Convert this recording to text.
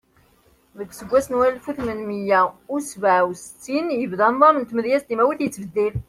Deg useggas n walef u tmenmiya u sebɛa U settin, yebda nḍam n tmedyazt timawit yettbeddil.